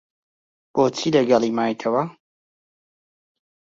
بۆچی لەگەڵی مایتەوە؟